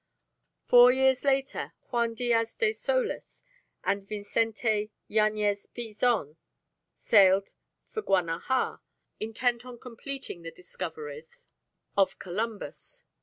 Four years later Juan Diaz de Solis and Vincente Yañez Pinzon sailed for Guanaja intent on completing the discoveries of Columbus.